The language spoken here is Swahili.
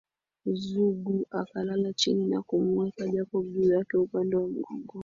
Zugu akalala chini na kumuweka Jacob juu yake upande wa mgongoni